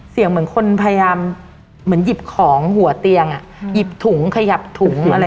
เสียงเหมือนคนพยายามเหมือนหยิบของหัวเตียงหยิบถุงขยับถุงอะไร